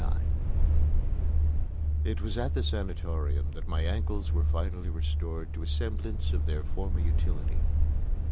IX It was at the sanatorium that my ankles were finally restored to a semblance of their former utility.